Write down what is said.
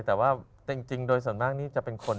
แต่ว่าจริงโดยส่วนมากนี่จะเป็นคน